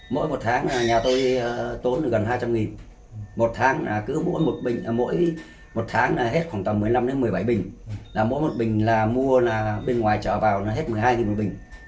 mỗi một tháng nhà tôi tốn gần hai trăm linh nghìn mỗi tháng hết khoảng một mươi năm một mươi bảy bình mỗi một bình mua bên ngoài trở vào hết một mươi hai bình